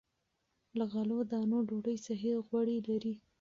له غلو- دانو ډوډۍ صحي غوړي لري.